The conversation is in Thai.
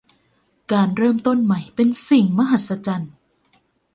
การเริ่มต้นใหม่เป็นสิ่งมหัศจรรย์